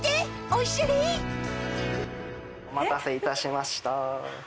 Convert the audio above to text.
オシャレ！お待たせいたしました。